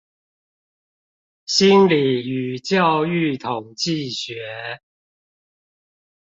心理與教育統計學